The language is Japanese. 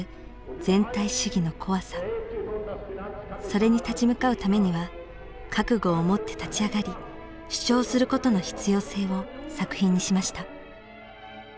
それに立ち向かうためには覚悟を持って立ち上がり主張することの必要性を作品にしました。